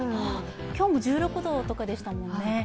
今日も１６度とかでしたもんね。